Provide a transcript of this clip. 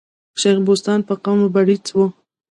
شېخ بُستان په قوم بړیڅ وو.